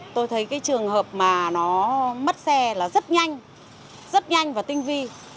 tôi thấy cái trường hợp mà nó mất xe là rất nhanh rất nhanh và tinh vi